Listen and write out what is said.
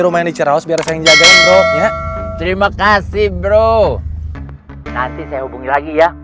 rumah ini ceraus biar saya jagain brok ya terima kasih bro nanti saya hubungi lagi ya